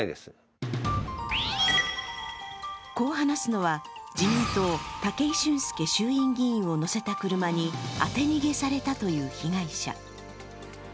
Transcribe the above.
こう話すのは、自民党武井俊輔衆院議員を乗せた車に当て逃げされたという被害者。